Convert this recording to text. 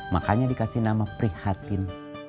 makanya dikasih nama prihatin